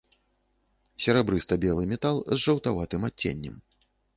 Серабрыста-белы метал з жаўтаватым адценнем.